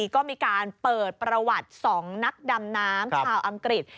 ก็มีการเปิดประวัติ๒นักดำน้ำชาวอังกฤษ